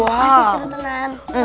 pasti seru tenang